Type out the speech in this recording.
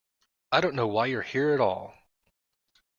I don't know why you're here at all.